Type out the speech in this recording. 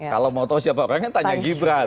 kalau mau tahu siapa orangnya tanya gibran